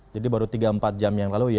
jadi baru tiga empat jam yang lalu ya